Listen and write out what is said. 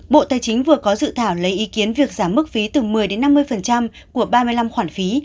bộ tài chính vừa có dự thảo lấy ý kiến việc giảm mức phí từ một mươi đến năm mươi của ba mươi năm khoản phí